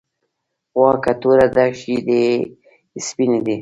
غوا که توره ده شيدې یی سپيني دی .